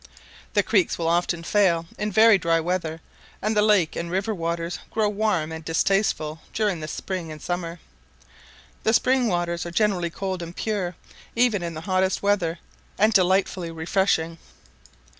The creeks will often fail in very dry weather, and the lake and river waters grow warm and distasteful during the spring and summer. The spring waters are generally cold and pure, even in the hottest weather, and delightfully refreshing.